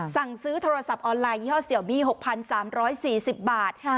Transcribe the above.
สั่งซื้อโทรศัพท์ออนไลน์ยี่ห้อเสี่ยวบี้หกพันสามร้อยสี่สิบบาทค่ะ